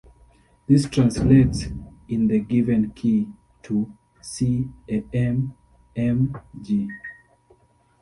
This translates in the given key to C-Am-Em-G.